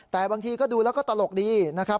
แต่บางทีก็ดูแล้วก็ตลกดีนะครับ